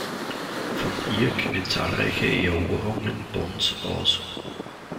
Von ihr gingen zahlreiche Eroberungen Bonns aus.